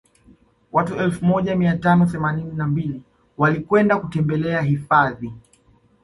Watu elfu moja mia tano themanini na mbili walikwenda kutembela hifadhi